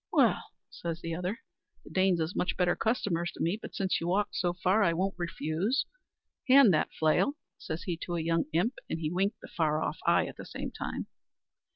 "Well," says the other, "the Danes is much better customers to me; but since you walked so far I won't refuse. Hand that flail," says he to a young imp; and he winked the far off eye at the same time.